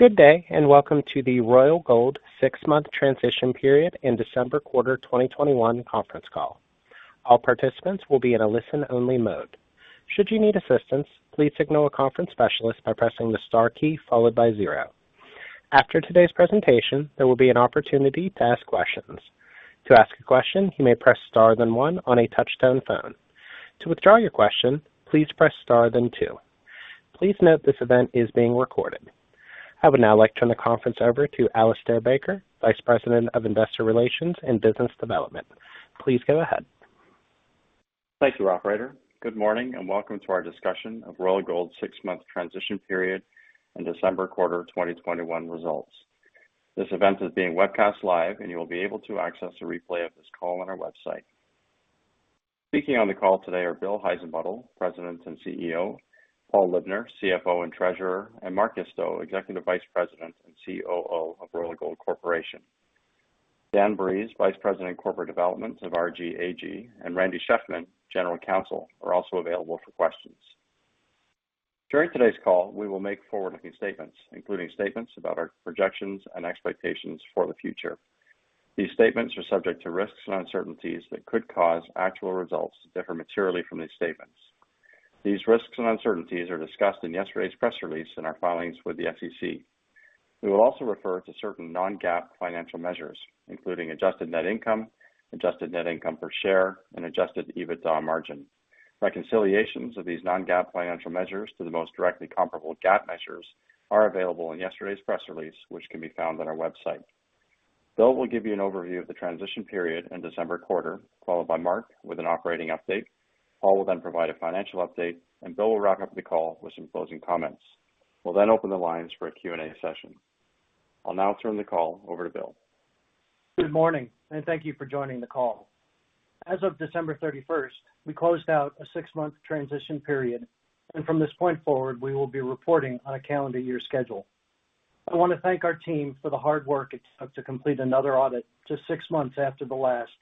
Good day? Welcome to the Royal Gold six-month transition period and December quarter 2021 conference call. All participants will be in a listen-only mode. Should you need assistance, please signal a conference specialist by pressing the star key followed by zero. After today's presentation, there will be an opportunity to ask questions. To ask a question, you may press star, then one on a touch-tone phone. To withdraw your question, please press star, then two. Please note, this event is being recorded. I would now like to turn the conference over to Alistair Baker, Vice President of Investor Relations and Business Development. Please go ahead. Thank you, operator. Good morning, and welcome to our discussion of Royal Gold's six-month transition period and December quarter 2021 results. This event is being webcast live and you'll be able to access a replay of this call on our website. Speaking on the call today are Bill Heissenbuttel, President and Chief Executive Officer, Paul Libner, Chief Financial Officer and Treasurer, and Mark Isto, Executive Vice President and Chief Operating Officer of Royal Gold Corporation. Dan Breeze, Vice President of Corporate Development of RG AG, and Randy Shefman, General Counsel, are also available for questions. During today's call, we will make forward-looking statements, including statements about our projections and expectations for the future. These statements are subject to risks and uncertainties that could cause actual results to differ materially from these statements. These risks and uncertainties are discussed in yesterday's press release and our filings with the SEC. We will also refer to certain non-GAAP financial measures, including adjusted net income, adjusted net income per share, and adjusted EBITDA margin. Reconciliations of these non-GAAP financial measures to the most directly comparable GAAP measures are available in yesterday's press release, which can be found on our website. Bill will give you an overview of the transition period and December quarter, followed by Mark with an operating update. Paul will then provide a financial update, and Bill will wrap up the call with some closing comments. We'll then open the lines for a Q&A session. I'll now turn the call over to Bill. Good morning? Thank you for joining the call. As of December 31, we closed out a six-month transition period, and from this point forward, we will be reporting on a calendar year schedule. I want to thank our team for the hard work it took to complete another audit just six months after the last,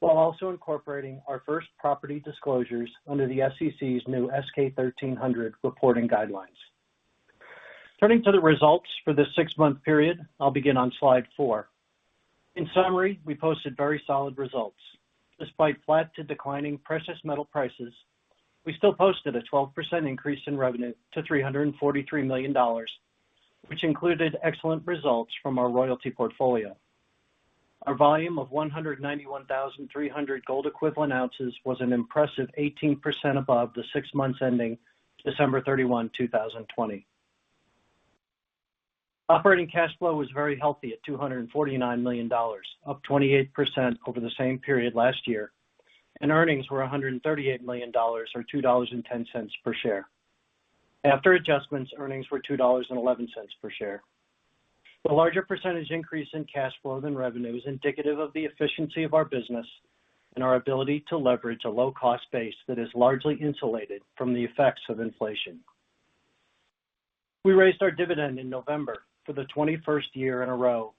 while also incorporating our first property disclosures under the SEC's new S-K 1300 reporting guidelines. Turning to the results for this six-month period, I'll begin on slide four. In summary, we posted very solid results. Despite flat to declining precious metal prices, we still posted a 12% increase in revenue to $343 million, which included excellent results from our royalty portfolio. Our volume of 191,300 gold equivalent ounces was an impressive 18% above the six months ending December 31, 2020. Operating cash flow was very healthy at $249 million, up 28% over the same period last year, and earnings were $138 million, or $2.10 per share. After adjustments, earnings were $2.11 per share. The larger percentage increase in cash flow than revenue is indicative of the efficiency of our business and our ability to leverage a low-cost base that is largely insulated from the effects of inflation. We raised our dividend in November for the 21st year in a row,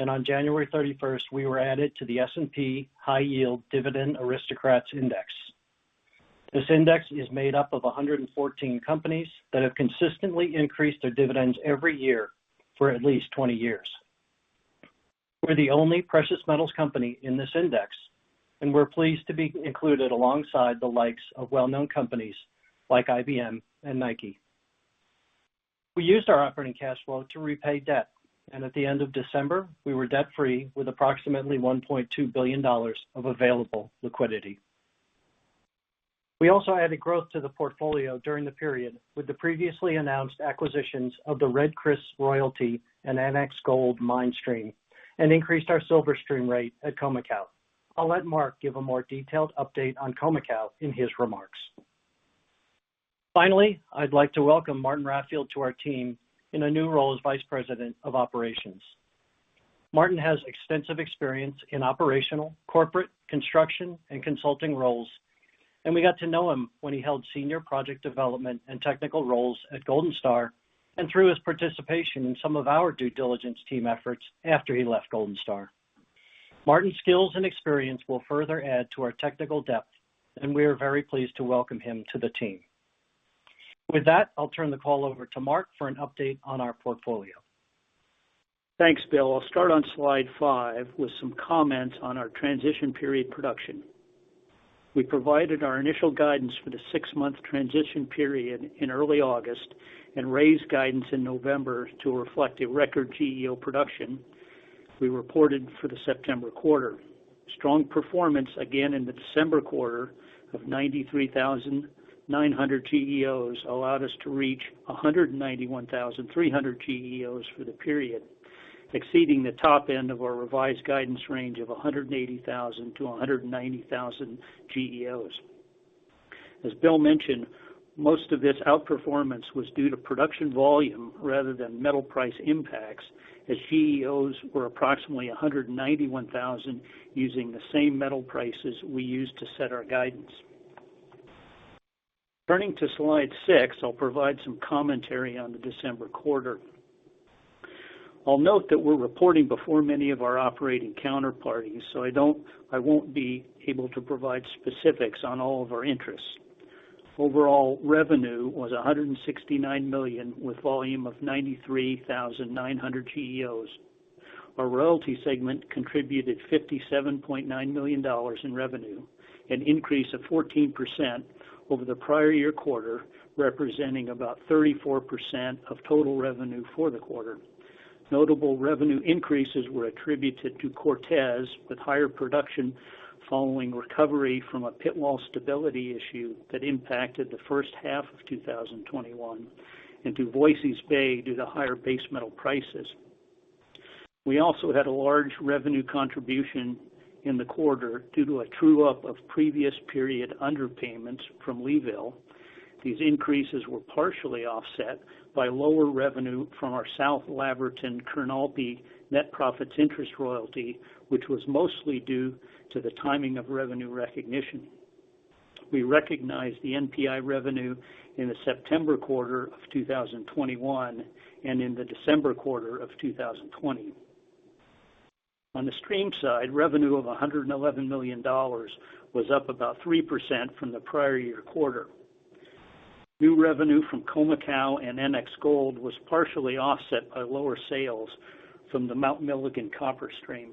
and on January 31, we were added to the S&P High Yield Dividend Aristocrats Index. This index is made up of 114 companies that have consistently increased their dividends every year for at least 20 years. We're the only precious metals company in this Index, and we're pleased to be included alongside the likes of well-known companies like IBM and Nike. We used our operating cash flow to repay debt, and at the end of December, we were debt-free with approximately $1.2 billion of available liquidity. We also added growth to the portfolio during the period with the previously announced acquisitions of the Red Chris Royalty and NX Gold Mine stream and increased our silver stream rate at Khoemacau. I'll let Mark give a more detailed update on Khoemacau in his remarks. Finally, I'd like to welcome Martin Raffield to our team in a new role as Vice President of Operations. Martin has extensive experience in operational, corporate, construction, and consulting roles, and we got to know him when he held Senior Project Development and technical roles at Golden Star and through his participation in some of our due diligence team efforts after he left Golden Star. Martin's skills and experience will further add to our technical depth, and we are very pleased to welcome him to the team. With that, I'll turn the call over to Mark for an update on our portfolio. Thanks, Bill. I'll start on slide five with some comments on our transition period production. We provided our initial guidance for the six-month transition period in early August and raised guidance in November to reflect a record GEO production we reported for the September quarter. Strong performance again in the December quarter of 93,900 GEOs allowed us to reach 191,300 GEOs for the period, exceeding the top end of our revised guidance range of 180,000 GEOs-190,000 GEOs. As Bill mentioned, most of this outperformance was due to production volume rather than metal price impacts, as GEOs were approximately 191,000 using the same metal prices we used to set our guidance. Turning to slide six, I'll provide some commentary on the December quarter. I'll note that we're reporting before many of our operating counterparties, so I won't be able to provide specifics on all of our interests. Overall revenue was $169 million, with volume of 93,900 GEOs. Our royalty segment contributed $57.9 million in revenue, an increase of 14% over the prior year quarter, representing about 34% of total revenue for the quarter. Notable revenue increases were attributed to Cortez, with higher production following recovery from a pit wall stability issue that impacted the first half of 2021, and to Voisey's Bay, due to higher base metal prices. We also had a large revenue contribution in the quarter due to a true-up of previous period underpayments from Leeville. These increases were partially offset by lower revenue from our South Laverton-Kanowna Belle net profits interest royalty, which was mostly due to the timing of revenue recognition. We recognized the NPI revenue in the September quarter of 2021 and in the December quarter of 2020. On the stream side, revenue of $111 million was up about 3% from the prior-year quarter. New revenue from Khoemacau and NX Gold was partially offset by lower sales from the Mount Milligan copper stream.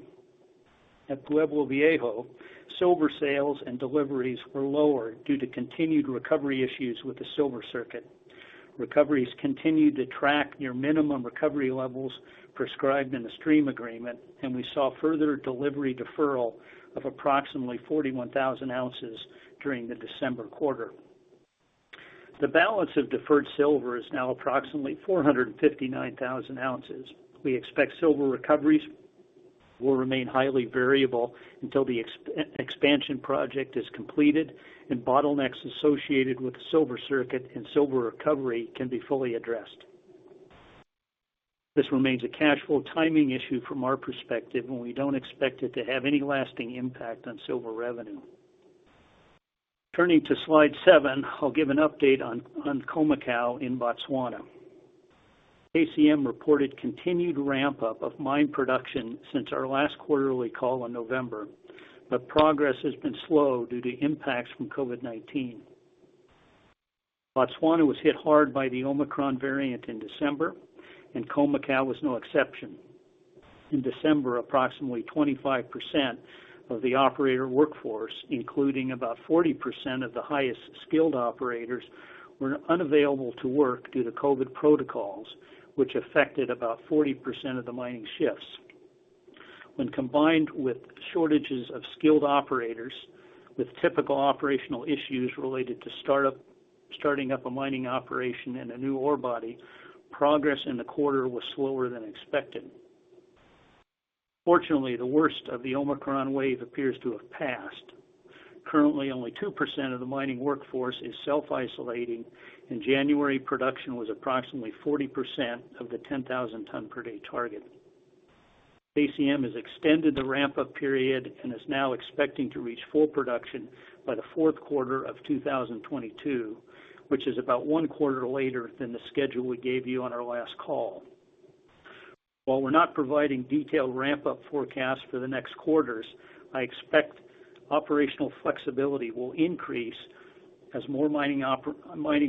At Pueblo Viejo, silver sales and deliveries were lower due to continued recovery issues with the silver circuit. Recoveries continued to track near minimum recovery levels prescribed in the stream agreement, and we saw further delivery deferral of approximately 41,000 ounces during the December quarter. The balance of deferred silver is now approximately 459,000 ounces. We expect silver recoveries will remain highly variable until the expansion project is completed and bottlenecks associated with the silver circuit and silver recovery can be fully addressed. This remains a cash flow timing issue from our perspective, and we don't expect it to have any lasting impact on silver revenue. Turning to slide seven, I'll give an update on Khoemacau in Botswana. KCM reported continued ramp-up of mine production since our last quarterly call in November, but progress has been slow due to impacts from COVID-19. Botswana was hit hard by the Omicron variant in December, and Khoemacau was no exception. In December, approximately 25% of the operator workforce, including about 40% of the highest skilled operators, were unavailable to work due to COVID protocols, which affected about 40% of the mining shifts. When combined with shortages of skilled operators with typical operational issues related to starting up a mining operation in a new ore body, progress in the quarter was slower than expected. Fortunately, the worst of the Omicron wave appears to have passed. Currently, only 2% of the mining workforce is self-isolating. In January, production was approximately 40% of the 10,000 tons per day target. KCM has extended the ramp-up period and is now expecting to reach full production by the fourth quarter of 2022, which is about one quarter later than the schedule we gave you on our last call. While we're not providing detailed ramp-up forecasts for the next quarters, I expect operational flexibility will increase as more mining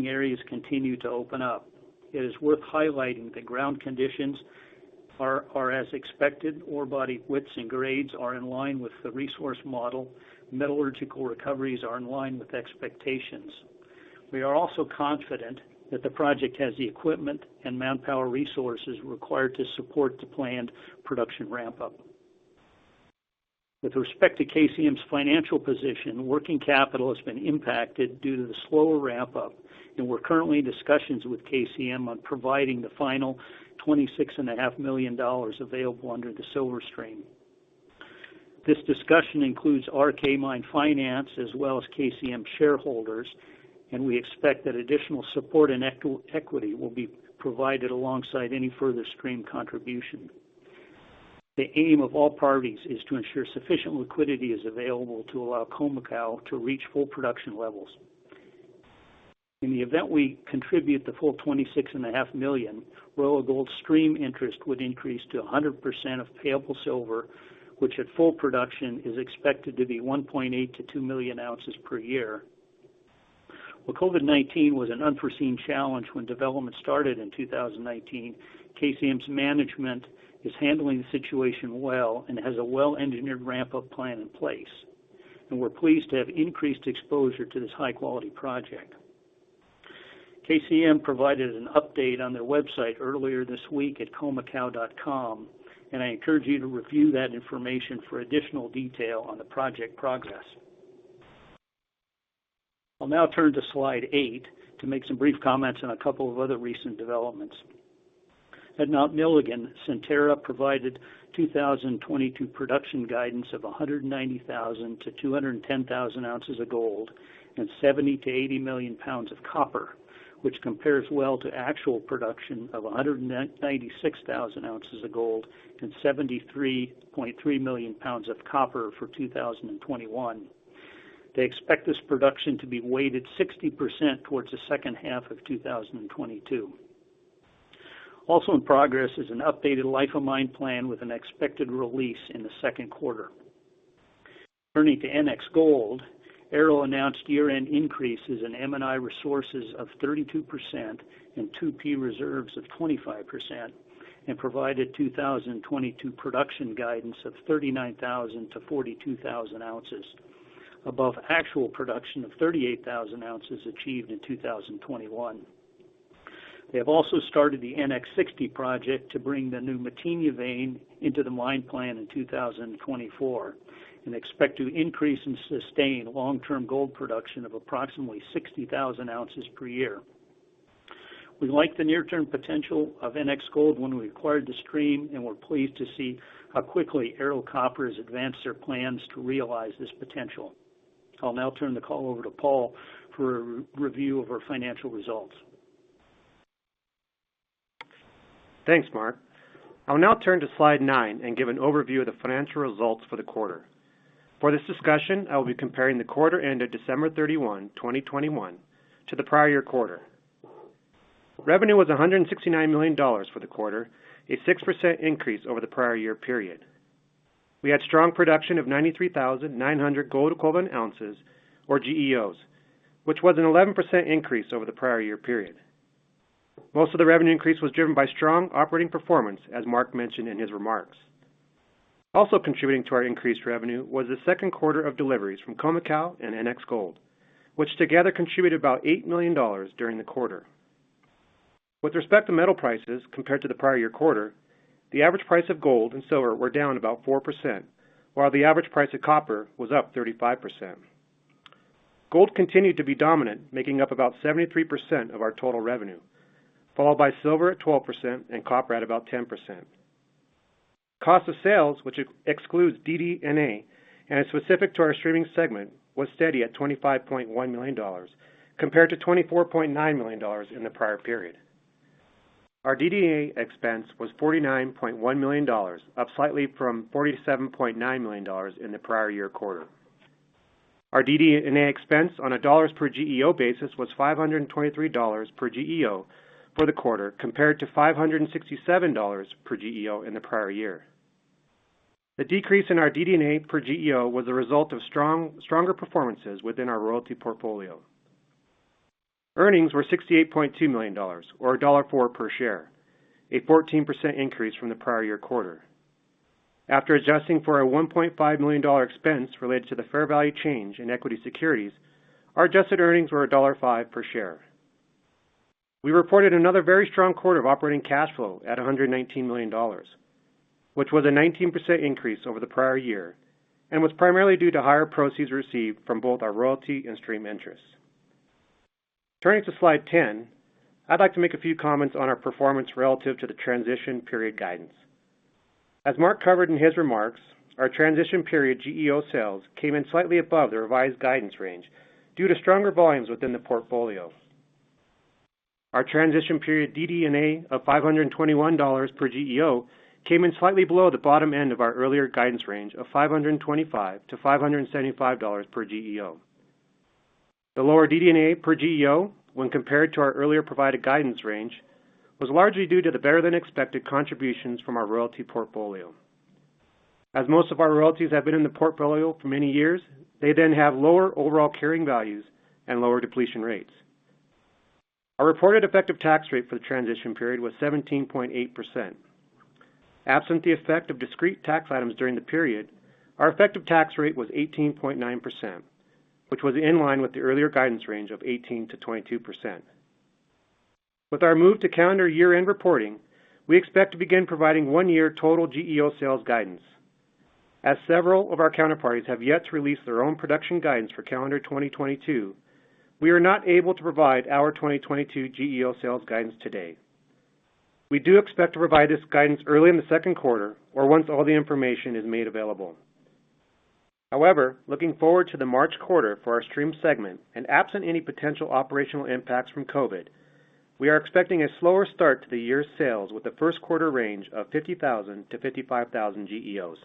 areas continue to open up. It is worth highlighting that ground conditions are as expected. Ore body widths and grades are in line with the resource model. Metallurgical recoveries are in line with expectations. We are also confident that the project has the equipment and manpower resources required to support the planned production ramp-up. With respect to KCM's financial position, working capital has been impacted due to the slower ramp-up, and we're currently in discussions with KCM on providing the final $26.5 million available under the silver stream. This discussion includes RK Mine Finance as well as KCM shareholders, and we expect that additional support and equity will be provided alongside any further stream contribution. The aim of all parties is to ensure sufficient liquidity is available to allow Khoemacau to reach full production levels. In the event we contribute the full $26.5 million, Royal Gold Stream interest would increase to 100% of payable silver, which at full production is expected to be 1.8 million ounces to 2 million ounces per year. While COVID-19 was an unforeseen challenge when development started in 2019, KCM's management is handling the situation well and has a well-engineered ramp-up plan in place. We're pleased to have increased exposure to this high quality project. KCM provided an update on their website earlier this week at khoemacau.com, I encourage you to review that information for additional detail on the project progress. I'll now turn to slide eight to make some brief comments on a couple of other recent developments. At Mount Milligan, Centerra provided 2022 production guidance of 190,000 ounces-210,000 ounces of gold and 70 million-80 million pounds of copper, which compares well to actual production of 196,000 ounces of gold and 73.3 million pounds of copper for 2021. They expect this production to be weighted 60% towards the second half of 2022. Also in progress is an updated life of mine plan with an expected release in the second quarter. Turning to NX Gold, Ero announced year-end increases in M&I resources of 32% and 2P reserves of 25%, and provided 2022 production guidance of 39,000 ounces-42,000 ounces, above actual production of 38,000 ounces achieved in 2021. They have also started the NX60 project to bring the new Matinha vein into the mine plan in 2024 and expect to increase and sustain long-term gold production of approximately 60,000 ounces per year. We like the near-term potential of NX Gold when we acquired the stream, and we're pleased to see how quickly Ero Copper has advanced their plans to realize this potential. I'll now turn the call over to Paul for a review of our financial results. Thanks, Mark. I'll now turn to slide nine and give an overview of the financial results for the quarter. For this discussion, I'll be comparing the quarter-end of December 31, 2021 to the prior year quarter. Revenue was $169 million for the quarter, a 6% increase over the prior year period. We had strong production of 93,900 gold equivalent ounces, or GEOs, which was an 11% increase over the prior year period. Most of the revenue increase was driven by strong operating performance, as Mark mentioned in his remarks. Also contributing to our increased revenue was the second quarter of deliveries from Khoemacau and NX Gold, which together contributed about $8 million during the quarter. With respect to metal prices compared to the prior year quarter, the average price of gold and silver were down about 4%, while the average price of copper was up 35%. Gold continued to be dominant, making up about 73% of our total revenue, followed by silver at 12% and copper at about 10%. Cost of sales, which excludes DD&A and is specific to our streaming segment, was steady at $25.1 million compared to $24.9 million in the prior period. Our DD&A expense was $49.1 million, up slightly from $47.9 million in the prior year quarter. Our DD&A expense on a $ per GEO basis was $523 per GEO for the quarter, compared to $567 per GEO in the prior year. The decrease in our DD&A per GEO was a result of stronger performances within our royalty portfolio. Earnings were $68.2 million or $1.04 per share, a 14% increase from the prior year quarter. After adjusting for a $1.5 million expense related to the fair value change in equity securities, our adjusted earnings were $1.05 per share. We reported another very strong quarter of operating cash flow at $119 million, which was a 19% increase over the prior year and was primarily due to higher proceeds received from both our royalty and stream interests. Turning to slide 10, I'd like to make a few comments on our performance relative to the transition period guidance. As Mark covered in his remarks, our transition period GEO sales came in slightly above the revised guidance range due to stronger volumes within the portfolio. Our transition period DD&A of $521 per GEO came in slightly below the bottom end of our earlier guidance range of $525-$575 per GEO. The lower DD&A per GEO when compared to our earlier provided guidance range, was largely due to the better than expected contributions from our royalty portfolio. As most of our royalties have been in the portfolio for many years, they then have lower overall carrying values and lower depletion rates. Our reported effective tax rate for the transition period was 17.8%. Absent the effect of discrete tax items during the period, our effective tax rate was 18.9%, which was in line with the earlier guidance range of 18%-22%. With our move to calendar year-end reporting, we expect to begin providing one-year total GEO sales guidance. As several of our counterparties have yet to release their own production guidance for calendar 2022, we are not able to provide our 2022 GEO sales guidance today. We do expect to provide this guidance early in the second quarter or once all the information is made available. However, looking forward to the March quarter for our stream segment and absent any potential operational impacts from COVID, we are expecting a slower start to the year's sales with a first quarter range of 50,000 GEOs-55,000 GEOs.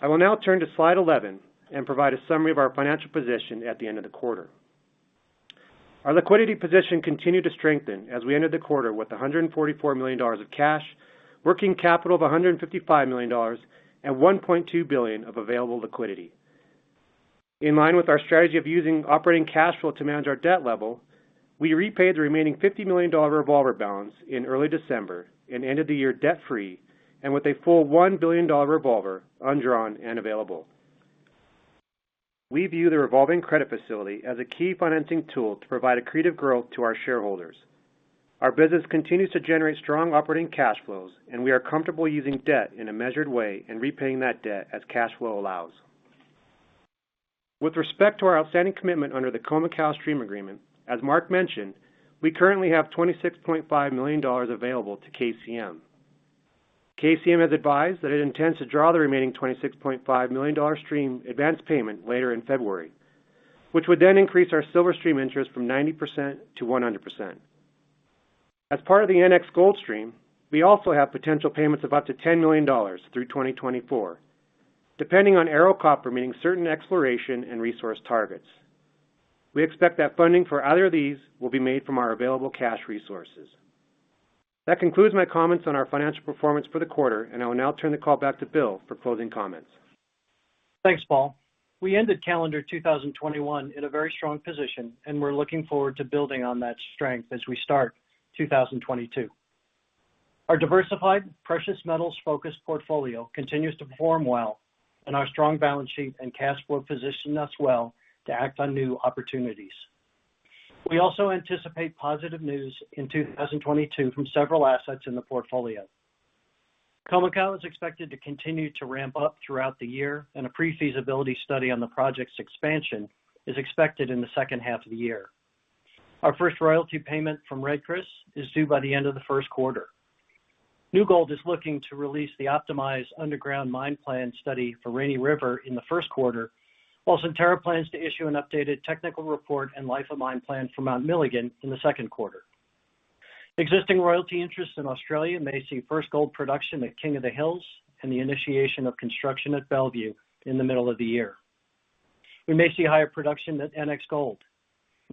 I will now turn to slide 11 and provide a summary of our financial position at the end of the quarter. Our liquidity position continued to strengthen as we ended the quarter with $144 million of cash, working capital of $155 million, and $1.2 billion of available liquidity. In line with our strategy of using operating cash flow to manage our debt level, we repaid the remaining $50 million revolver balance in early December and ended the year debt-free and with a full $1 billion revolver undrawn and available. We view the revolving credit facility as a key financing tool to provide accretive growth to our shareholders. Our business continues to generate strong operating cash flows, and we are comfortable using debt in a measured way and repaying that debt as cash flow allows. With respect to our outstanding commitment under the Khoemacau Stream Agreement, as Mark mentioned, we currently have $26.5 million available to KCM. KCM has advised that it intends to draw the remaining $26.5 million stream advance payment later in February, which would then increase our silver stream interest from 90% to 100%. As part of the NX Gold stream, we also have potential payments of up to $10 million through 2024, depending on Ero Copper meeting certain exploration and resource targets. We expect that funding for either of these will be made from our available cash resources. That concludes my comments on our financial performance for the quarter, I will now turn the call back to Bill for closing comments. Thanks, Paul. We ended calendar 2021 in a very strong position, and we're looking forward to building on that strength as we start 2022. Our diversified precious metals focused portfolio continues to perform well, and our strong balance sheet and cash flow position us well to act on new opportunities. We also anticipate positive news in 2022 from several assets in the portfolio. Khoemacau is expected to continue to ramp up throughout the year, and a pre-feasibility study on the project's expansion is expected in the second half of the year. Our first royalty payment from Red Chris is due by the end of the 1st quarter. New Gold is looking to release the optimized underground mine plan study for Rainy River in the first quarter, while Centerra plans to issue an updated technical report and life of mine plan for Mount Milligan in the second quarter. Existing royalty interests in Australia may see first gold production at King of the Hills and the initiation of construction at Bellevue in the middle of the year. We may see higher production at NX Gold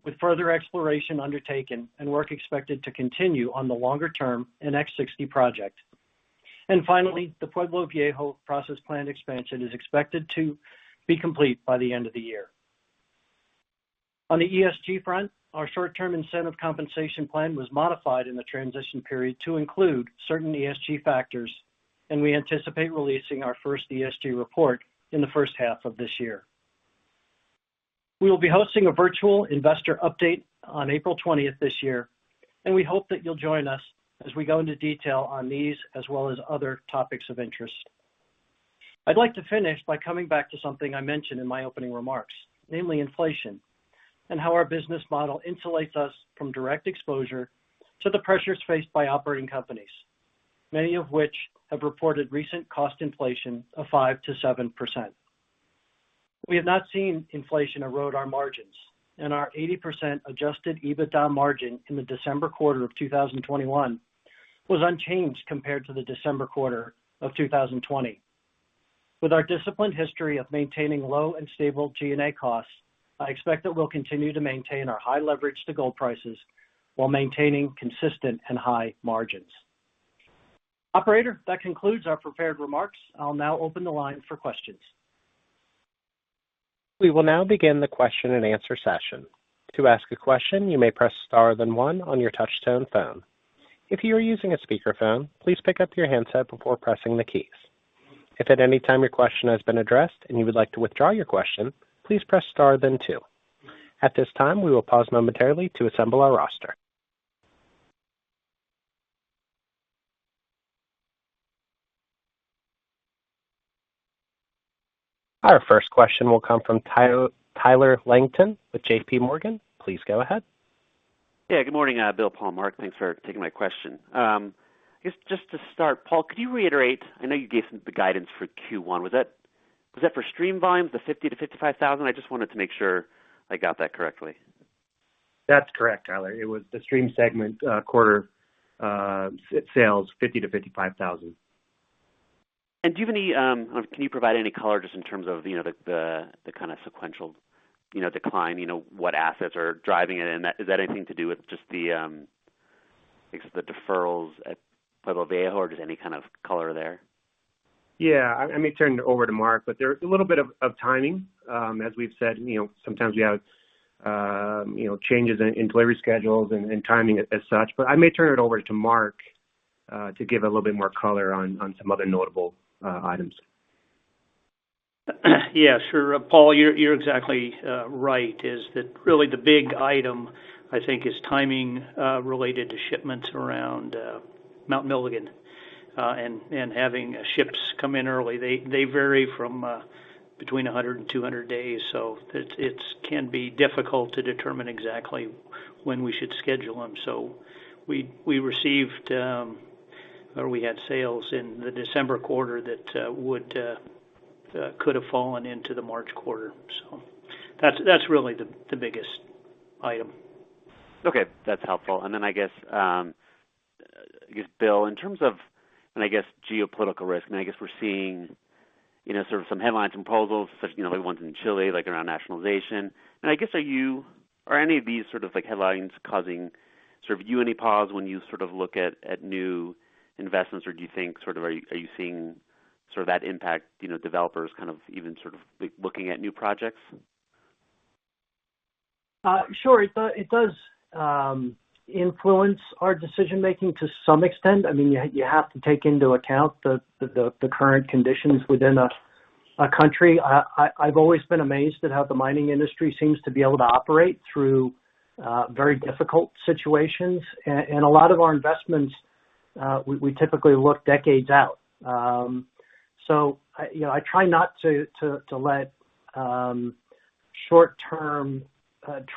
with further exploration undertaken and work expected to continue on the longer term NX60 project. Finally, the Pueblo Viejo process plant expansion is expected to be complete by the end of the year. On the ESG front, our short-term incentive compensation plan was modified in the transition period to include certain ESG factors, and we anticipate releasing our first ESG report in the first half of this year. We will be hosting a virtual investor update on April 20 this year, and we hope that you'll join us as we go into detail on these as well as other topics of interest. I'd like to finish by coming back to something I mentioned in my opening remarks, namely inflation and how our business model insulates us from direct exposure to the pressures faced by operating companies, many of which have reported recent cost inflation of 5%-7%. We have not seen inflation erode our margins and our 80% adjusted EBITDA margin in the December quarter of 2021 was unchanged compared to the December quarter of 2020. With our disciplined history of maintaining low and stable G&A costs, I expect that we'll continue to maintain our high leverage to gold prices while maintaining consistent and high margins. Operator, that concludes our prepared remarks. I'll now open the line for questions. We will now begin the question-and-answer session. To ask a question you may press star the one on your touchpad if you are using a speaker phone, please pick up your headset before pressing the keys. At any time your question has been addressed and would like to withdraw your question, please star to. Kindy wait as we assemble the roster. Our first question will come from Tyler Langton with JPMorgan, please go ahead. Yeah, good morning, Bill, Paul, Mark, thanks for taking my question. I guess just to start, Paul, could you reiterate, I know you gave some guidance for Q1. Was that for stream volumes, the $50,000-$55,000? I just wanted to make sure I got that correctly. That's correct, Tyler. It was the stream segment, quarter, sales $50,000-$55,000. Do you have any, can you provide any color just in terms of the kind of sequential decline, what assets are driving it? Is that anything to do with just the, I guess, the deferrals at Pueblo Viejo or just any kind of color there? Yeah. I may turn it over to Mark, but there is a little bit of timing. As we've said, sometimes we have changes in delivery schedules and timing as such, but I may turn it over to Mark to give a little bit more color on some other notable items. Yeah, sure, Paul, you're exactly right, is that really the big item, I think, is timing related to shipments around Mount Milligan and having ships come in early. They vary from between 100 and 200 days, so it can be difficult to determine exactly when we should schedule them. We received, or we had sales in the December quarter that could have fallen into the March quarter. That's really the biggest item. Okay. That's helpful. Then I guess, Bill, in terms of geopolitical risk, and I guess we're seeing sort of some headlines from proposals, such the ones in Chile, like around nationalization. I guess, are you or any of these sort of headlines causing sort of you any pause when you sort of look at new investments, or do you think sort of, are you seeing sort of that impact developers kind of even sort of looking at new projects? Sure. It does influence our decision-making to some extent. I mean, you have to take into account the current conditions within a country. I've always been amazed at how the mining industry seems to be able to operate through very difficult situations. A lot of our investments, we typically look decades out. I try not to let short-term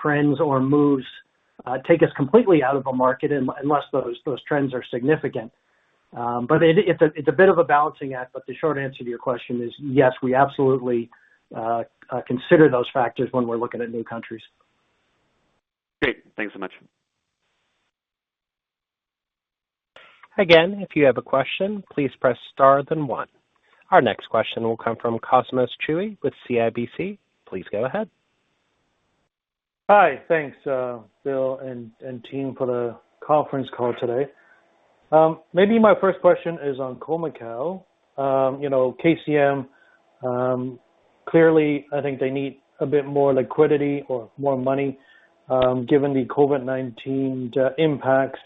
trends or moves take us completely out of a market unless those trends are significant. It's a bit of a balancing act, but the short answer to your question is yes, we absolutely consider those factors when we're looking at new countries. Great. Thanks so much. Again, if you have a question, please press star, then one. Our next question will come from Cosmos Chiu with CIBC, please go ahead. Hi. Thanks, Bill and team for the conference call today. Maybe my first question is on Khoemacau. KCM, clearly, I think they need a bit more liquidity or more money, given the COVID-19 impacts.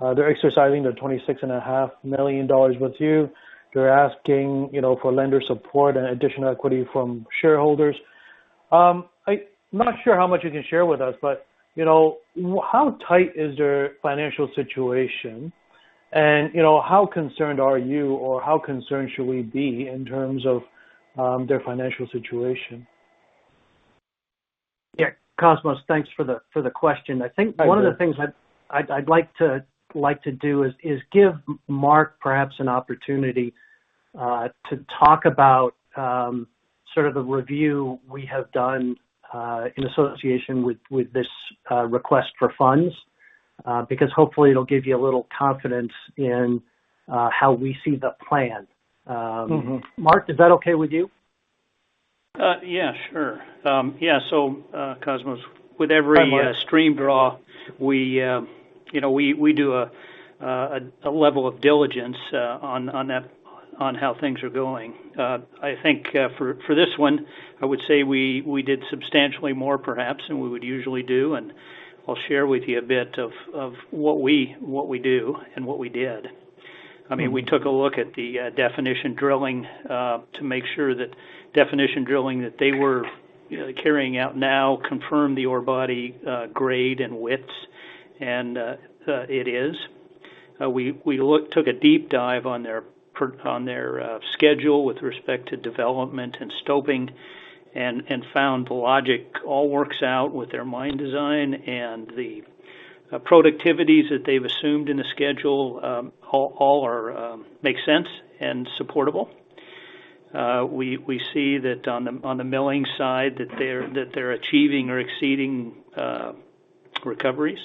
They're exercising their $26.5 million with you. They're asking for lender support and additional equity from shareholders. I'm not sure how much you can share with us, but how tight is their financial situation, and how concerned are you, or how concerned should we be in terms of their financial situation? Cosmos, thanks for the question. I think one of the things I'd like to do is give Mark perhaps an opportunity to talk about the review we have done in association with this request for funds, because hopefully it'll give you a little confidence in how we see the plan. Mark, is that okay with you? Yeah, sure. Cosmos, with every stream draw, we do a level of diligence on how things are going. I think, for this one, I would say we did substantially more perhaps than we would usually do, and I'll share with you a bit of what we do and what we did. We took a look at the definition drilling to make sure that definition drilling that they were carrying out now confirmed the ore body grade and widths, and it is. We took a deep dive on their schedule with respect to development and stoping, and found the logic all works out with their mine design, and the productivities that they've assumed in the schedule all make sense and supportable. We see that on the milling side that they're achieving or exceeding recoveries.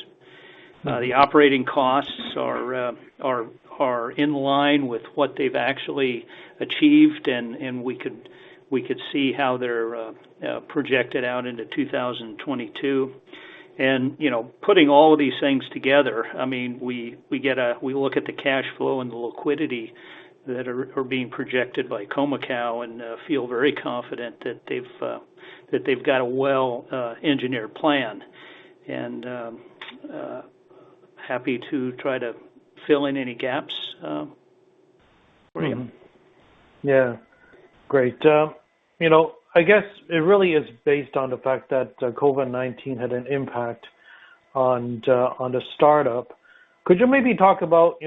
The operating costs are in line with what they've actually achieved. We could see how they're projected out into 2022. Putting all of these things together, we look at the cash flow and the liquidity that are being projected by Khoemacau and feel very confident that they've got a well-engineered plan. Happy to try to fill in any gaps for you. Yeah, great. I guess it really is based on the fact that COVID-19 had an impact on the startup. Could you maybe talk about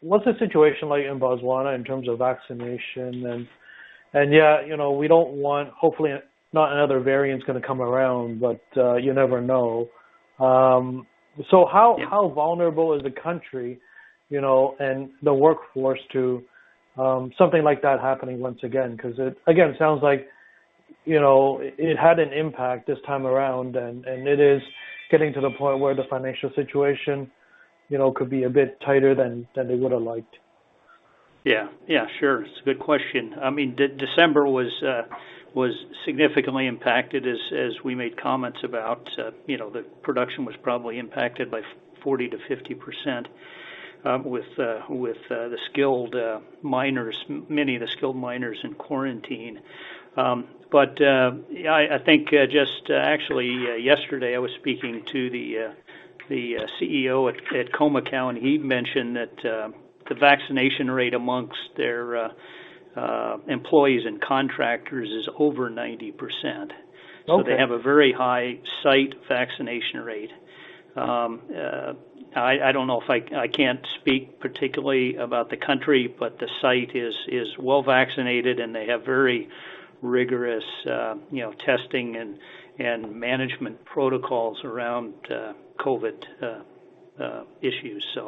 what's the situation like in Botswana in terms of vaccination? Hopefully not another variant is going to come around, but you never know. How vulnerable is the country, and the workforce to something like that happening once again? Again, it sounds like it had an impact this time around, and it is getting to the point where the financial situation could be a bit tighter than they would've liked. Yeah. Sure. It's a good question. December was significantly impacted, as we made comments about. The production was probably impacted by 40%-50% with many of the skilled miners in quarantine. I think just actually yesterday, I was speaking to the Chief Executive Officer at Khoemacau, and he mentioned that the vaccination rate amongst their employees and contractors is over 90%. Okay. They have a very high site vaccination rate. I can't speak particularly about the country, but the site is well vaccinated, and they have very rigorous testing and management protocols around COVID issues.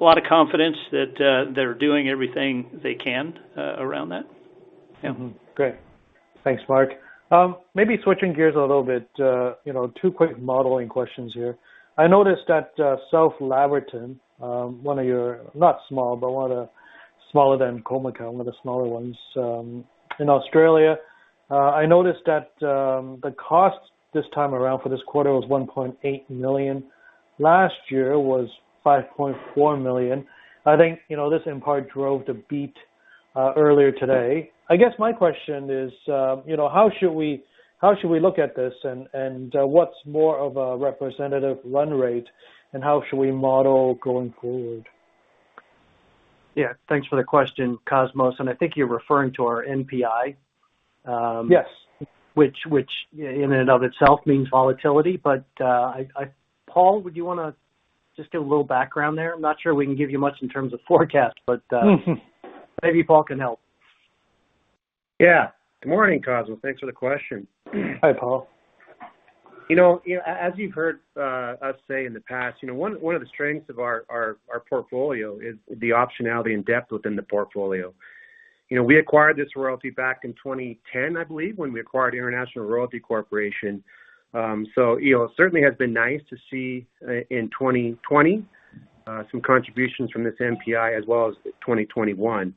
A lot of confidence that they're doing everything they can around that. Mm-hmm. Great. Thanks, Mark. Maybe switching gears a little bit, two quick modeling questions here. I noticed that South Laverton, one of your, not small, but one of the smaller than Khoemacau, one of the smaller ones in Australia. I noticed that the cost this time around for this quarter was $1.8 million. Last year was $5.4 million. I think this in part drove the beat earlier today. I guess my question is, how should we look at this, and what's more of a representative run rate, and how should we model going forward? Yeah. Thanks for the question, Cosmos, and I think you're referring to our NPI? Yes. Which in and of itself means volatility. Paul, would you want to just give a little background there? I'm not sure we can give you much in terms of forecast, but maybe Paul can help. Yeah. Good morning Cosmos? Thanks for the question. Hi, Paul. As you've heard us say in the past, one of the strengths of our portfolio is the optionality and depth within the portfolio. We acquired this royalty back in 2010, I believe, when we acquired International Royalty Corporation. It certainly has been nice to see, in 2020, some contributions from this NPI as well as 2021.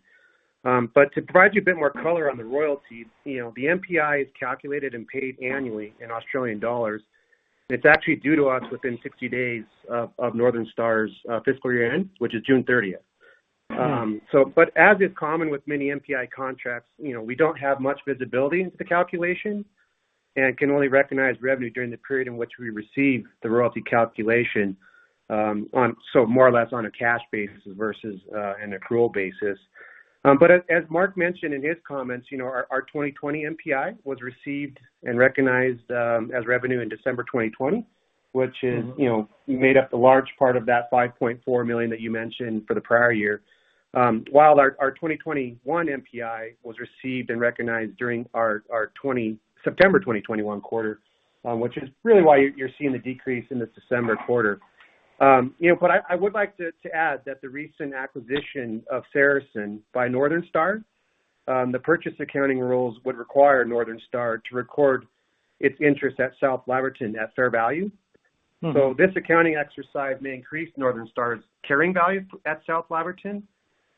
To provide you a bit more color on the royalties, the NPI is calculated and paid annually in Australian dollars, and it's actually due to us within 60 days of Northern Star's fiscal year end, which is June 30. As is common with many NPI contracts, we don't have much visibility into the calculation and can only recognize revenue during the period in which we receive the royalty calculation, so more or less on a cash basis versus an accrual basis. As Mark mentioned in his comments, our 2020 NPI was received and recognized as revenue in December 2020, which made up the large part of that $5.4 million that you mentioned for the prior year. While our 2021 NPI was received and recognized during our September 2021 quarter, which is really why you're seeing the decrease in this December quarter. I would like to add that the recent acquisition of Saracen by Northern Star, the purchase accounting rules would require Northern Star to record its interest at South Laverton at fair value. This accounting exercise may increase Northern Star's carrying value at South Laverton,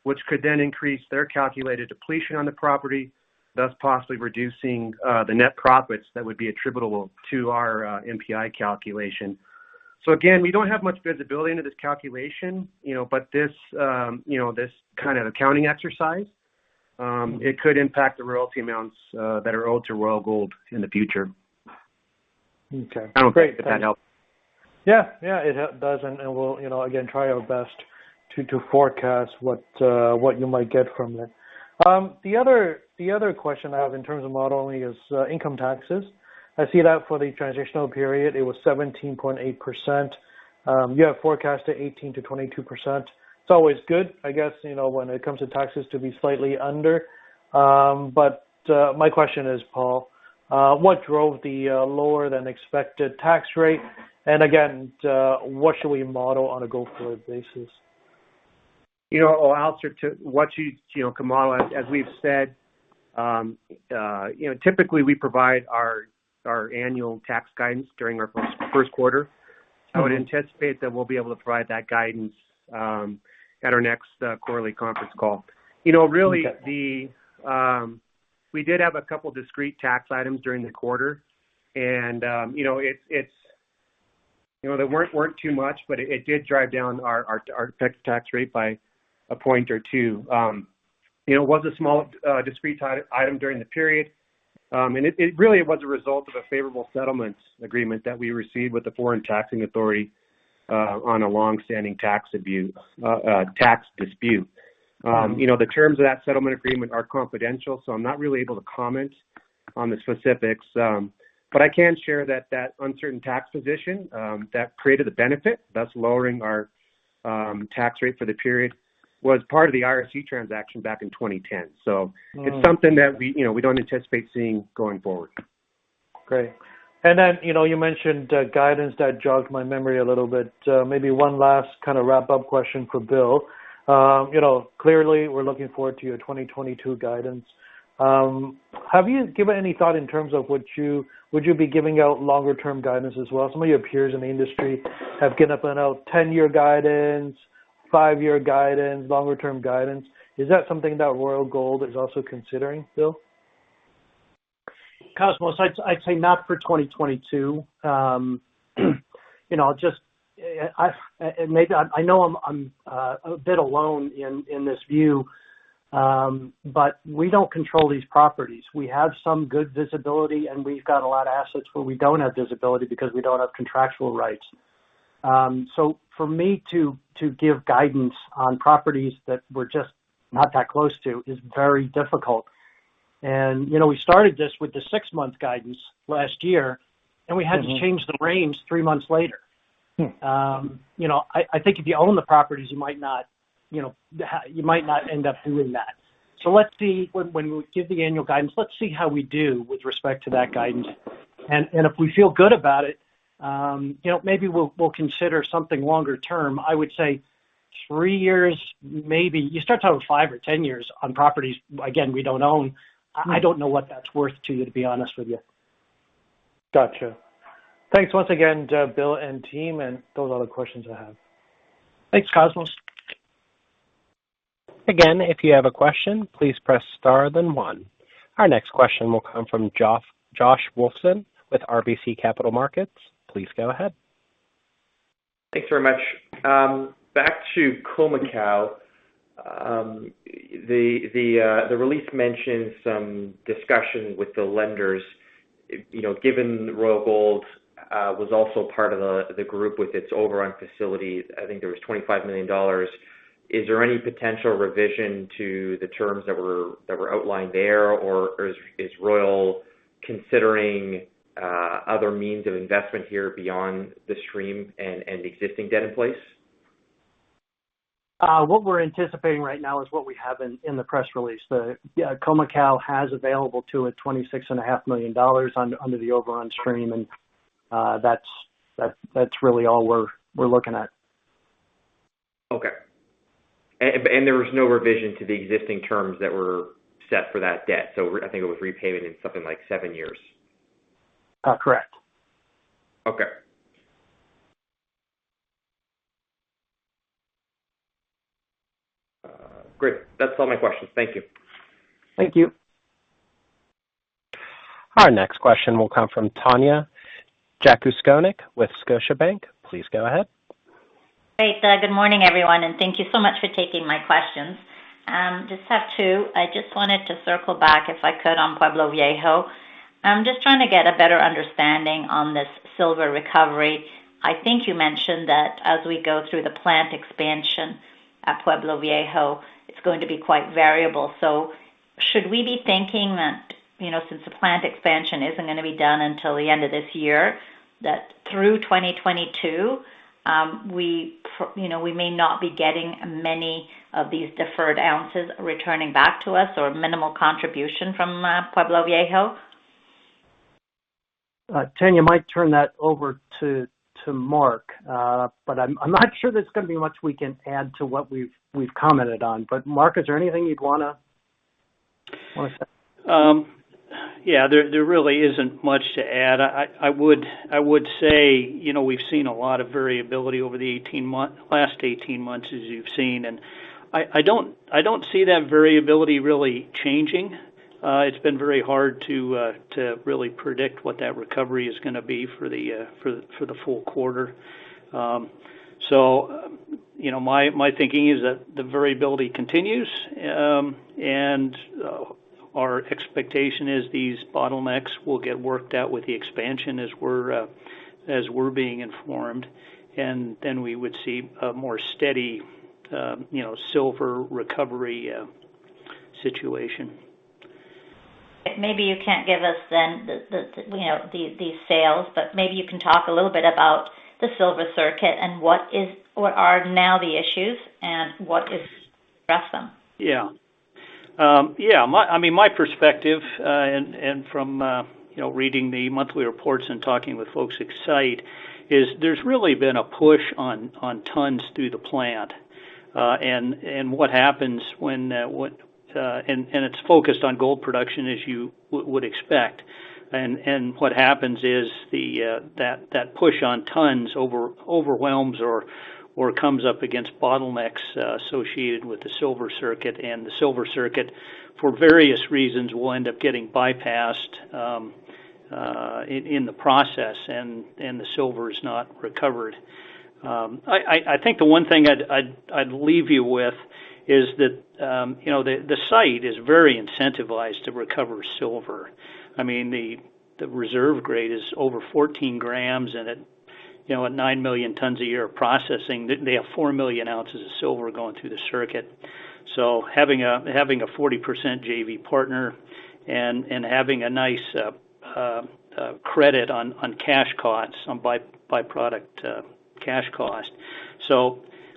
which could then increase their calculated depletion on the property, thus possibly reducing the net profits that would be attributable to our NPI calculation. Again, we don't have much visibility into this calculation, but this kind of accounting exercise, it could impact the royalty amounts that are owed to Royal Gold in the future. Okay. Great. Thanks. I don't know if that helps. It does, and we'll, again, try our best to forecast what you might get from there. The other question I have in terms of modeling is income taxes. I see that for the transitional period, it was 17.8%. You have forecasted 18%-22%. It's always good, I guess, when it comes to taxes, to be slightly under. My question is, Paul, what drove the lower than expected tax rate? Again, what should we model on a go-forward basis? To what you can model, as we've said, typically we provide our annual tax guidance during our first quarter. Okay. I would anticipate that we'll be able to provide that guidance at our next quarterly conference call. Okay. We did have a couple discrete tax items during the quarter, and they weren't too much, but it did drive down our effective tax rate by a point or two. It was a small discrete item during the period. It really was a result of a favorable settlement agreement that we received with the foreign taxing authority on a longstanding tax dispute. The terms of that settlement agreement are confidential. I'm not really able to comment on the specifics. I can share that uncertain tax position that created a benefit, thus lowering our tax rate for the period, was part of the IRC transaction back in 2010. It's something that we don't anticipate seeing going forward. Great. Then, you mentioned guidance. That jogged my memory a little bit. Maybe one last wrap-up question for Bill. Clearly, we're looking forward to your 2022 guidance. Have you given any thought in terms of would you be giving out longer term guidance as well? Some of your peers in the industry have given out 10-year guidance, five-year guidance, longer term guidance. Is that something that Royal Gold is also considering, Bill? Cosmos, I'd say not for 2022. I know I'm a bit alone in this view, but we don't control these properties. We have some good visibility, and we've got a lot of assets where we don't have visibility because we don't have contractual rights. For me to give guidance on properties that we're just not that close to is very difficult. We started this with the six-month guidance last year, and we had to change the range three months later. I think if you own the properties, you might not end up doing that. Let's see, when we give the annual guidance, let's see how we do with respect to that guidance. If we feel good about it, maybe we'll consider something longer term. I would say three years, maybe. You start talking five or 10 years on properties, again, we don't own. I don't know what that's worth to you, to be honest with you. Gotcha. Thanks once again, Bill and team. Those are all the questions I have. Thanks, Cosmos. Again, if you have a question, please press star then one. Our next question will come from Josh Wolfson with RBC Capital Markets, please go ahead. Thanks very much. Back to Khoemacau. The release mentioned some discussion with the lenders. Given Royal Gold was also part of the group with its overrun facilities, I think there was $25 million, is there any potential revision to the terms that were outlined there, or is Royal considering other means of investment here beyond the stream and existing debt in place? What we're anticipating right now is what we have in the press release. Khoemacau has available to it $26.5 million under the overrun stream, and that's really all we're looking at. Okay. There was no revision to the existing terms that were set for that debt. I think it was repayment in something like seven years? Correct. Okay. Great. That is all my questions. Thank you. Thank you. Our next question will come from Tanya Jakusconek with Scotiabank, please go ahead. Great. Good morning everyone? Thank you so much for taking my questions. Just have two. I just wanted to circle back, if I could, on Pueblo Viejo. I'm just trying to get a better understanding on this silver recovery. I think you mentioned that as we go through the plant expansion at Pueblo Viejo, it's going to be quite variable. Should we be thinking that since the plant expansion isn't going to be done until the end of this year, that through 2022, we may not be getting many of these deferred ounces returning back to us or minimal contribution from Pueblo Viejo? Tanya, might turn that over to Mark. I'm not sure there's going to be much we can add to what we've commented on. Mark, is there anything you'd want to say? Yeah, there really isn't much to add. I would say, we've seen a lot of variability over the last 18 months, as you've seen, and I don't see that variability really changing. It's been very hard to really predict what that recovery is going to be for the full quarter. My thinking is that the variability continues, and our expectation is these bottlenecks will get worked out with the expansion as we're being informed, and then we would see a more steady silver recovery situation. Maybe you can't give us then the sales, but maybe you can talk a little bit about the silver circuit and what are now the issues and what is to address them. Yeah. My perspective, from reading the monthly reports and talking with folks at site, is there's really been a push on tons through the plant. It's focused on gold production as you would expect. What happens is that push on tons overwhelms or comes up against bottlenecks associated with the silver circuit, and the silver circuit, for various reasons, will end up getting bypassed, in the process and the silver is not recovered. I think the one thing I'd leave you with is that the site is very incentivized to recover silver. The reserve grade is over 14 g, and at nine million tons a year of processing, they have four million ounces of silver going through the circuit. Having a 40% JV partner and having a nice credit on cash cost, on by-product cash cost.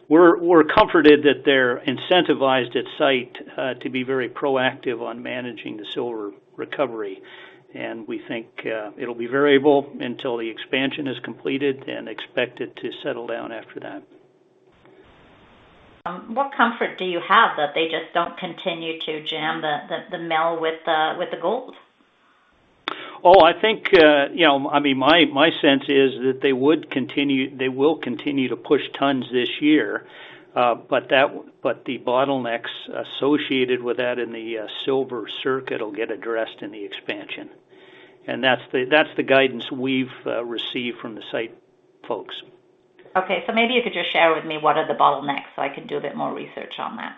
We're comforted that they're incentivized at site to be very proactive on managing the silver recovery. We think it'll be variable until the expansion is completed and expect it to settle down after that. What comfort do you have that they just don't continue to jam the mill with the gold? My sense is that they will continue to push tons this year, but the bottlenecks associated with that in the silver circuit will get addressed in the expansion. That's the guidance we've received from the site folks. Maybe you could just share with me what are the bottlenecks so I can do a bit more research on that.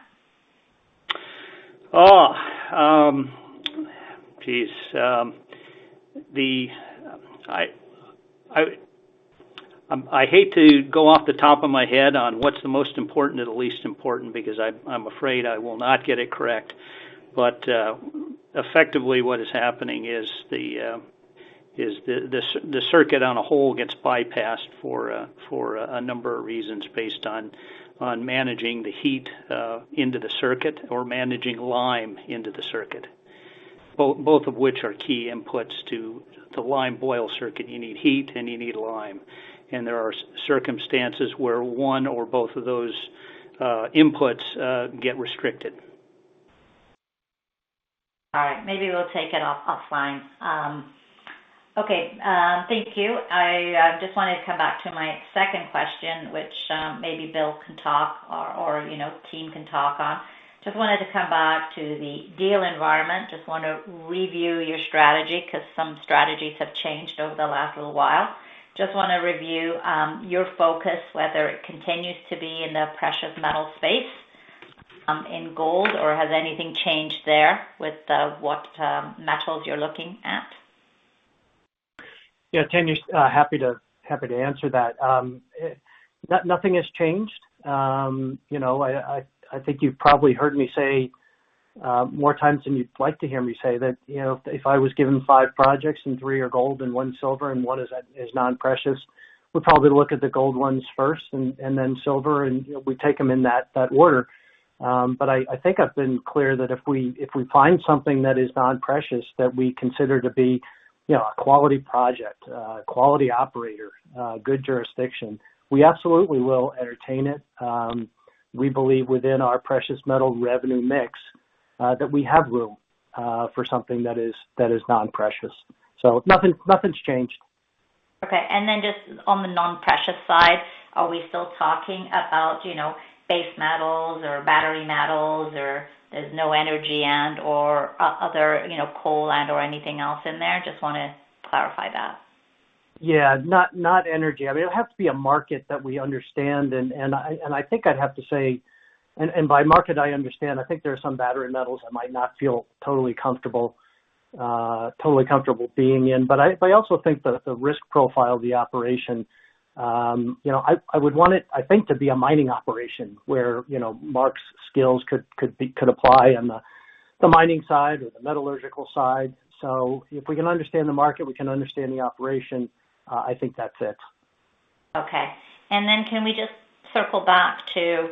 Geez. I hate to go off the top of my head on what's the most important or the least important because I'm afraid I will not get it correct. Effectively what is happening is the circuit as a whole gets bypassed for a number of reasons based on managing the heat into the circuit or managing lime into the circuit, both of which are key inputs to lime kiln circuit. You need heat and you need lime, there are circumstances where one or both of those inputs get restricted. All right. Maybe we'll take it offline. Okay, thank you. I just wanted to come back to my second question, which maybe Bill can talk or team can talk on. Just wanted to come back to the deal environment. Just want to review your strategy because some strategies have changed over the last little while. Just want to review your focus, whether it continues to be in the precious metal space, in gold, or has anything changed there with what metals you're looking at? Yeah, Tanya, happy to answer that. Nothing has changed. I think you've probably heard me say more times than you'd like to hear me say that if I was given five projects and three are gold and one silver and one is non-precious, we'll probably look at the gold ones first and then silver, and we take them in that order. I think I've been clear that if we find something that is non-precious that we consider to be a quality project, quality operator, good jurisdiction, we absolutely will entertain it. We believe within our precious metal revenue mix, that we have room for something that is non-precious. Nothing's changed. Okay. Then just on the non-precious side, are we still talking about base metals or battery metals or there's no energy and/or other coal and/or anything else in there? Just want to clarify that. Yeah. Not energy. It'll have to be a market that we understand, and I think I'd have to say by market, I understand, I think there are some battery metals I might not feel totally comfortable being in. I also think that the risk profile of the operation, I would want it, I think, to be a mining operation where Mark's skills could apply on the mining side or the metallurgical side. If we can understand the market, we can understand the operation, I think that's it. Okay. Can we just circle back to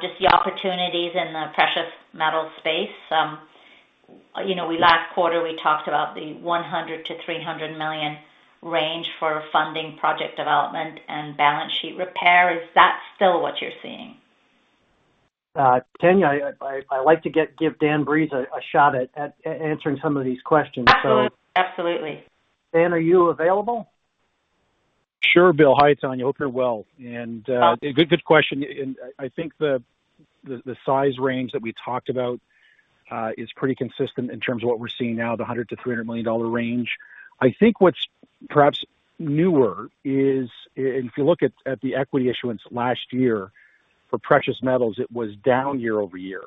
just the opportunities in the precious metal space? Last quarter, we talked about the $100 million-$300 million range for funding project development and balance sheet repair. Is that still what you're seeing? Tanya, I like to give Daniel Breeze a shot at answering some of these questions. Absolutely. Dan, are you available? Sure, Bill. Hi, Tanya. Hope you're well. Good question. I think the size range that we talked about is pretty consistent in terms of what we're seeing now, the $100 million-$300 million range. I think what's perhaps newer is if you look at the equity issuance last year for precious metals, it was down year-over-year.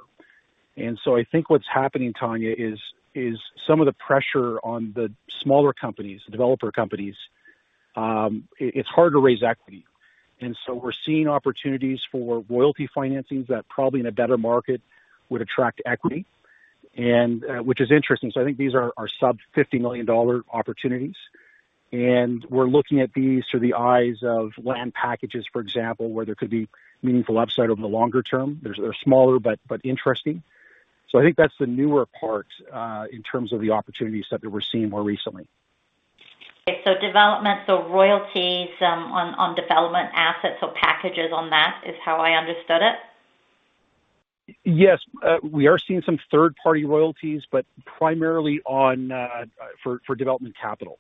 I think what's happening, Tanya, is some of the pressure on the smaller companies, the developer companies, it's hard to raise equity. We're seeing opportunities for royalty financings that probably in a better market would attract equity, which is interesting. I think these are sub $50 million opportunities, and we're looking at these through the eyes of land packages, for example, where there could be meaningful upside over the longer term. They're smaller but interesting. I think that's the newer part, in terms of the opportunities that we're seeing more recently. Okay. royalties on development assets or packages on that is how I understood it? Yes. We are seeing some third-party royalties, but primarily for development capital.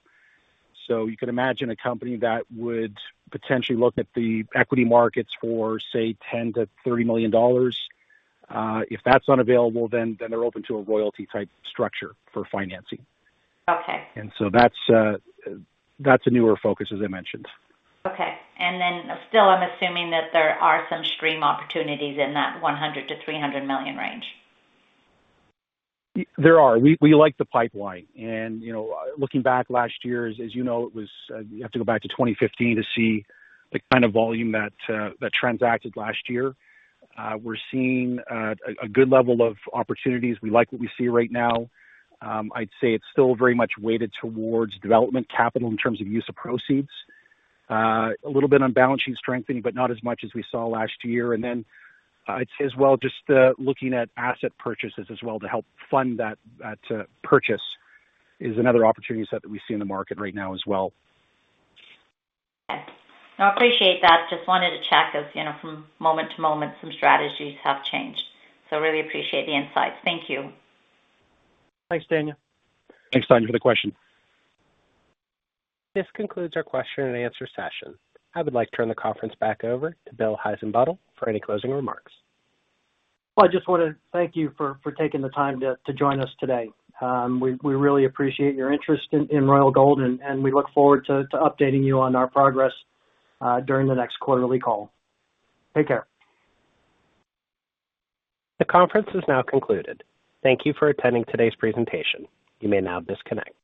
You could imagine a company that would potentially look at the equity markets for, say, $10 million-$30 million. If that's unavailable, they're open to a royalty type structure for financing. Okay. That's a newer focus, as I mentioned. Okay. Still, I'm assuming that there are some stream opportunities in that $100 million-$300 million range. There are. We like the pipeline. Looking back last year, as you know, you have to go back to 2015 to see the kind of volume that transacted last year. We're seeing a good level of opportunities. We like what we see right now. I'd say it's still very much weighted towards development capital in terms of use of proceeds. A little bit on balance sheet strengthening, but not as much as we saw last year. Then I'd say as well, just looking at asset purchases as well to help fund that purchase is another opportunity set that we see in the market right now as well. Okay. No, I appreciate that. Just wanted to check, as from moment to moment, some strategies have changed. Really appreciate the insights. Thank you. Thanks, Tanya. Thanks, Tanya, for the question. This concludes our question and answer session. I would like to turn the conference back over to Bill Heissenbuttel for any closing remarks. Well, I just want to thank you for taking the time to join us today. We really appreciate your interest in Royal Gold, and we look forward to updating you on our progress during the next quarterly call. Take care. The conference is now concluded. Thank you for attending today's presentation, you may now disconnect.